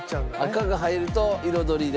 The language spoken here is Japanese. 赤が入ると彩りで。